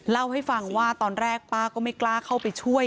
เล่าให้ฟังว่าตอนแรกป้าก็ไม่กล้าเข้าไปช่วย